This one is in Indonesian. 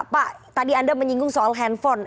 pak tadi anda menyinggung soal handphone